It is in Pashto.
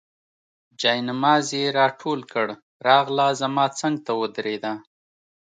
جاینماز یې راټول کړ، راغله زما څنګ ته ودرېده.